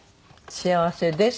「幸せです」。